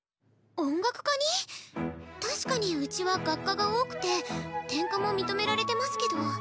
音楽科に⁉確かにうちは学科が多くて転科も認められてますけど。